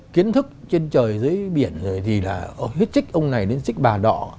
kiến thức trên trời dưới biển rồi thì là huyết trích ông này đến trích bà nọ